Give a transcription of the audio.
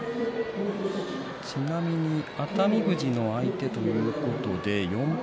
ちなみに熱海富士の相手ということで４敗